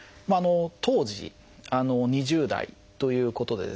当時２０代ということでですね